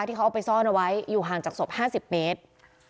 ที่เขาเอาไปซ่อนเอาไว้อยู่ห่างจากศพ๕๐เมตร